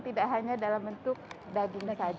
tidak hanya dalam bentuk dagingnya saja